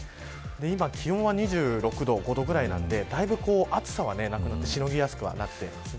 今、気温は２６度２５度くらいなのでだいぶ暑さはなくなってしのぎやすくなっています。